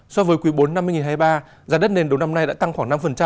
so với quý bốn năm hai nghìn hai mươi ba giá đất nền đầu năm nay đã tăng khoảng năm